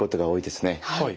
はい。